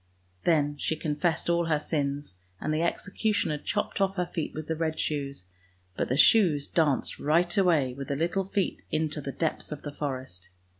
" Then she confessed all her sins, and the executioner chopped off her feet with the red shoes, but the shoes danced right away with the little feet into the depths of the forest.